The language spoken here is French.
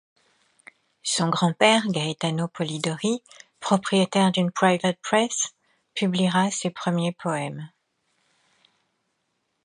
Son grand-père, Gaetano Polidori, propriétaire d'une private press, publiera ses premiers poèmes.